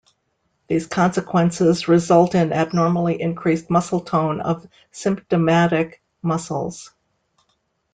These consequences result in abnormally increased muscle tone of symptomatic muscles.